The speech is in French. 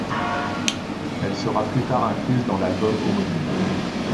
Elle sera plus tard incluse dans l'album homonyme.